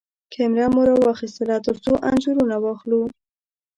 کېمره مو راواخيستله ترڅو انځورونه واخلو.